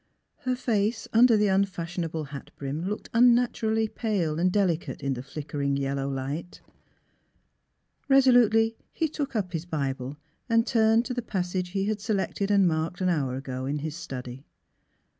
Her face under the unfashionable hat brim looked unnaturally pale and delicate in the flickering yel low light. Eesolutely he took up his Bible and turned to the passage he had selected and marked an hour ago in his study.